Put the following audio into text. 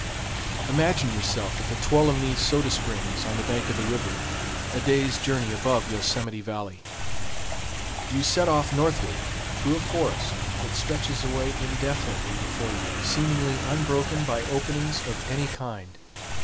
Imagine yourself at the Tuolumne Soda Springs on the bank of the river, a day's journey above Yosemite Valley. You set off northward through a forest that stretches away indefinitely before you, seemingly unbroken by openings of any kind.